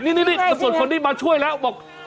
นี่ส่วนคนที่มาช่วยแล้วบอก